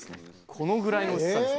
このぐらいの薄さです。